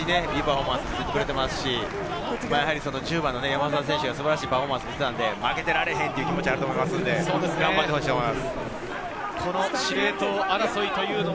いきなりいいパフォーマンスを見せてくれてますし、１０番の山沢選手が素晴らしいパフォーマンスを見てたので、負けてられへんという気持ちがあると思うので、頑張ってほしいと思います。